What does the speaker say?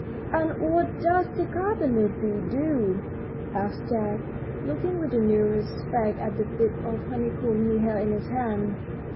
"And what does the carpenter bee do?" asked Jack, looking with new respect at the bit of honeycomb he held in his hand.